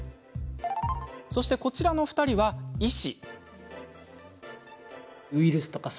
そしてこちらの２人は、医師。